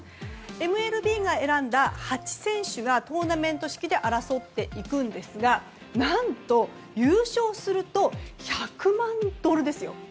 ＭＬＢが選んだ８選手がトーナメント式で争っていくんですが何と、優勝すると１００万ドルですよ。